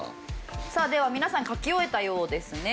さあでは皆さん書き終えたようですね。